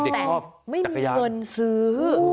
แต่ไม่มีเงินซื้อ